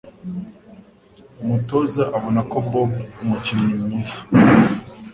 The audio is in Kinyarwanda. Umutoza abona ko Bob umukinnyi mwiza.